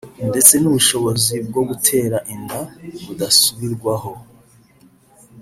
ndetse n’ubushobozi bwo gutera inda budasubirwaho